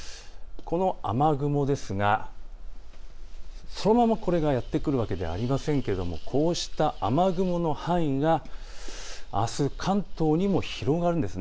この雨雲ですがそのままこれがやって来るわけでありませんけどこうした雨雲の範囲があす関東にも広がるんです。